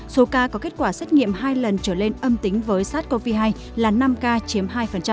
số ca có kết quả xét nghiệm hai lần trở lên âm tính với sars cov hai là năm ca chiếm hai